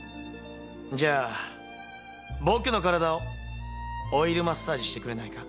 じゃあ僕の体をオイルマッサージしてくれないか。